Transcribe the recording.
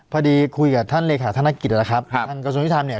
พอดีคุยกับท่านเลขาธนกิจแล้วครับครับทางกระทรวงพิธรรมเนี้ย